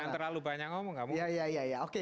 jangan terlalu banyak ngomong kamu